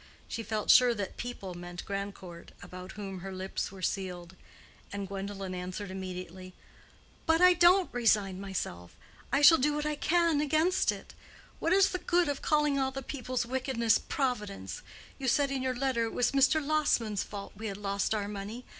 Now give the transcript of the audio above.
She felt sure that "people" meant Grandcourt, about whom her lips were sealed. And Gwendolen answered immediately, "But I don't resign myself. I shall do what I can against it. What is the good of calling the people's wickedness Providence? You said in your letter it was Mr. Lassman's fault we had lost our money.